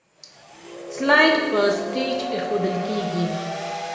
سلایډ په سټیج ایښودل کیږي.